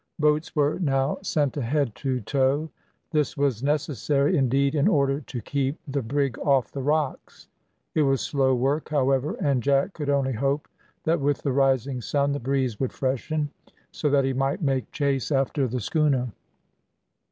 Boats were now sent ahead to tow. This was necessary, indeed, in order to keep the brig off the rocks. It was slow work, however, and Jack could only hope that with the rising sun the breeze would freshen, so that he might make chase after the schooner.